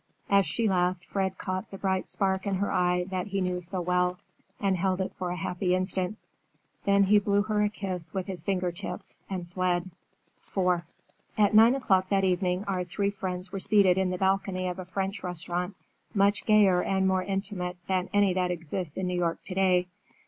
As she laughed, Fred caught the bright spark in her eye that he knew so well, and held it for a happy instant. Then he blew her a kiss with his finger tips and fled. IV At nine o'clock that evening our three friends were seated in the balcony of a French restaurant, much gayer and more intimate than any that exists in New York to day.